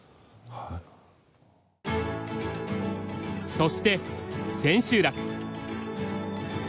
そして千秋楽。